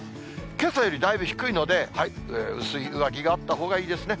けさよりだいぶ低いので、薄い上着があったほうがいいですね。